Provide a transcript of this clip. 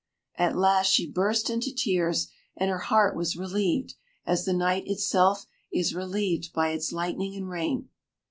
At last she burst into tears, and her heart was relieved, as the night itself is relieved by its lightning and rain.